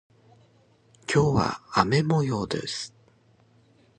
今日は雨模様です。